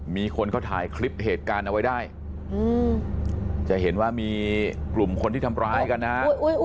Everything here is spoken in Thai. มีคนเขาถ่ายคลิปเหตุการณ์เอาไว้ได้จะเห็นว่ามีกลุ่มคนที่ทำร้ายกันนะฮะ